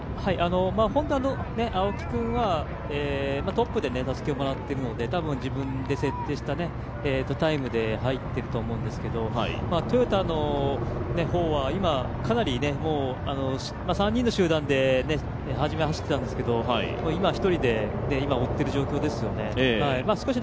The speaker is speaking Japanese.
Ｈｏｎｄａの青木君はトップでたすきをもらっているので、多分自分で設定したタイムで入っていると思うんですけれども、トヨタの方は今、３人の集団ではじめは走ってたんですけど今は１人で追っている状況ですよね